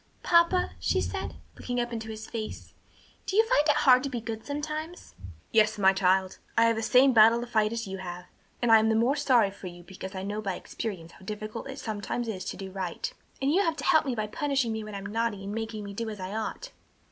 '" "Papa," she said, looking up into his face, "do you find it hard to be good sometimes?" "Yes, my child; I have the same battle to fight that you have, and I am the more sorry for you because I know by experience how difficult it sometimes is to do right." "And you have to help me by punishing me when I'm naughty, and making me do as I ought?"